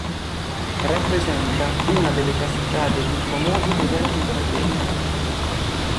Rappresenta una delle cascate più famose presenti in Sardegna.